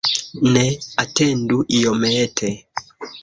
Ne, atendu iomete!